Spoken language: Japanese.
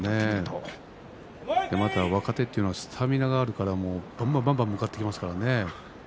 また若手というのはスタミナがあるからばんばん向かってきますからね。